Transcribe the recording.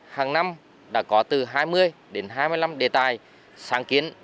hàng năm đã có từ hai mươi đến hai mươi năm đề tài sáng kiến